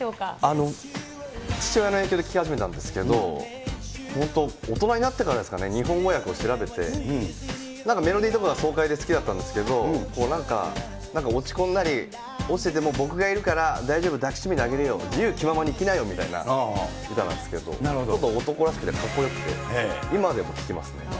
父親の影響で聴き始めたんですけど、本当、大人になってからですかね、日本語訳を調べて、なんかメロディーとかが爽快で好きだったんですけど、なんか落ち込んだり、落ちてても僕がいるから大丈夫、抱き締めてあげるよ、自由気ままにいきなよみたいな歌なんですけど、ちょっと男らしくてかっこよくて、今でも聴きますね。